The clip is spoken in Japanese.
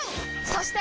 そして！